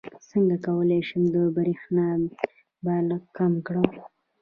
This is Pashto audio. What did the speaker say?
څنګه کولی شم د بریښنا بل کم کړم